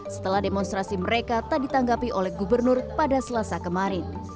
setelah demonstrasi mereka tak ditanggapi oleh gubernur pada selasa kemarin